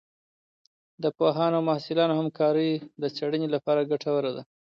د پوهانو او محصلانو همکارۍ د څېړنې لپاره ګټوره ده.